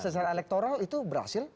seseorang elektoral itu berhasil